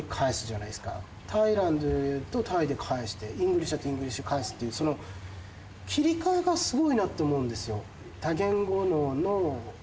タイランドでやるとタイで返してイングリッシュだとイングリッシュで返すっていう切り替えがすごいなって思うんですよ。